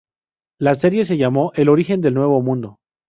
La serie se llamó "El origen del Nuevo Mundo".